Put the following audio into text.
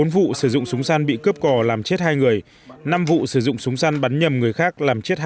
bốn vụ sử dụng súng săn bị cướp cò làm chết hai người năm vụ sử dụng súng săn bắn nhầm người khác làm chết hai mươi